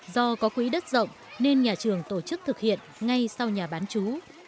do có quỹ đất rộng nên nhà trường tổ chức thực hiện ngay sau nhà bán chú